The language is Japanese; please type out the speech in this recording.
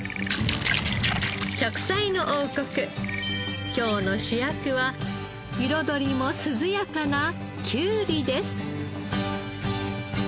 『食彩の王国』今日の主役は彩りも涼やかなきゅうりです。